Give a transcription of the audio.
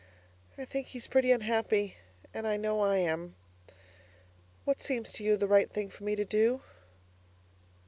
I think he's pretty unhappy, and I know I am! What seems to you the right thing for me to do?